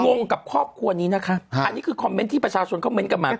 งงกับครอบครัวนี้นะคะอันนี้คือคอมเมนต์ที่ประชาชนเขาเม้นต์กันมา